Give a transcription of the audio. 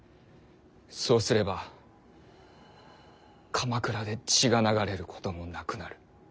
そうすれば鎌倉で血が流れることもなくなる。